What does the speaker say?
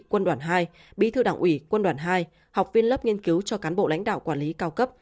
quân đoàn hai bí thư đảng ủy quân đoàn hai học viên lớp nghiên cứu cho cán bộ lãnh đạo quản lý cao cấp